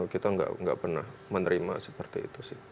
kita nggak pernah menerima seperti itu sih